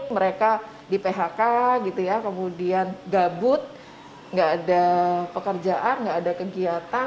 mereka di phk gitu ya kemudian gabut nggak ada pekerjaan nggak ada kegiatan